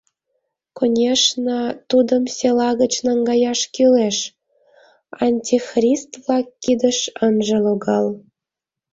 Конечно, тудым села гыч наҥгаяш кӱлеш, антихрист-влак кидыш ынже логал.